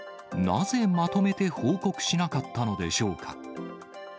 なぜ、まとめて報告しなかったのでしょうか。